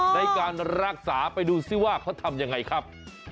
ในการรักษาไปดูซิว่าเขาทำยังไงครับ